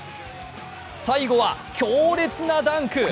最後は強烈なダンク！